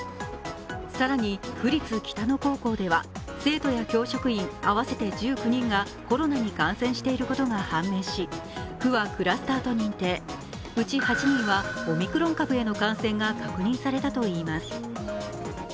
更に府立北野高校では生徒や教職員合わせて１９人がコロナに感染していることが判明し府はクラスターと認定、うち８人はオミクロン株への感染が確認されたといいます。